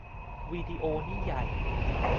วีดิโอนี่ใหญ่